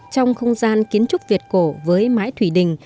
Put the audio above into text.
trong không gian kiến trúc việt cổ với mái thủy đình